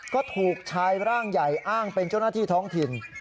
ก็ถูกชายร่างใหญ่อ้างเป็นเจ้าหน้าที่ท้องถิ่น